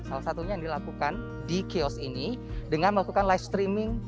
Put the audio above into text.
salah satunya yang dilakukan di kios ini dengan melakukan live streaming